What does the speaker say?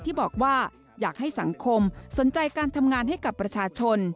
ที่บอกว่าอยากให้สังคมสนใจการทำงานให้กับประชาชน